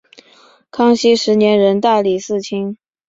康熙十年任大理寺卿。